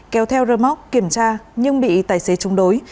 kéo theo rơ móc kiểm tra nhưng bị tài xế chung đối